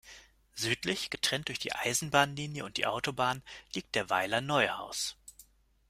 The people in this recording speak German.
Südlich, getrennt durch die Eisenbahnlinie und die Autobahn liegt der Weiler Neuhaus.